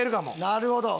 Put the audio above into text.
なるほど。